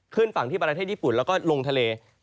ขึ้นฝั่งที่ประเทศญี่ปุ่นแล้วก็ลงทะเล